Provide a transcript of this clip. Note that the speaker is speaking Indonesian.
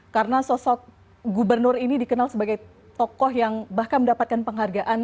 karena sosok gubernur ini dikenal sebagai tokoh yang bahkan mendapatkan penghargaan